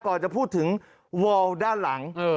จะพูดถึงวอลด้านหลัง